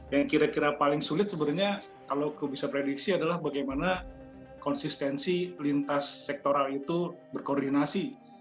yang kira kira paling sulit sebenarnya kalau aku bisa prediksi adalah bagaimana konsistensi lintas sektoral itu berkoordinasi